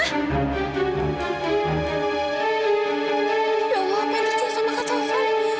ya allah apa yang terjadi sama kak taufan